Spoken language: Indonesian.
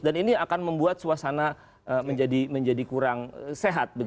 dan ini akan membuat suasana menjadi kurang sehat